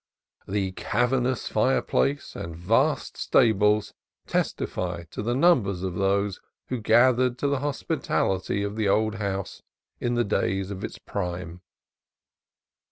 The cavernous fireplace and vast stables testify to the numbers of those who gathered to the hospitality of the old house in the days of its prime.